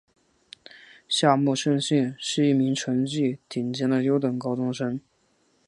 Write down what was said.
夏木胜幸是一名成绩顶尖的优等高中生。